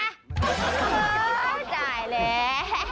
เออได้แล้ว